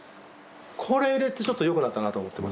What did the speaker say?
これ入れてちょっと良くなったなと思ってます。